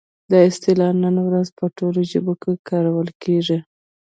دا اصطلاح نن ورځ په ټولو ژبو کې کارول کیږي.